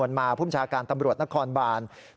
ถึงพลประชาการบัญชาการตำรวจหน้าศัลดิงตาฮันดี้